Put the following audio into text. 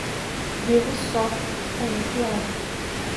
Vivo só, com um criado.